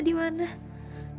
kalian banyak hal terjadi